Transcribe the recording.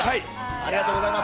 ◆ありがとうございます。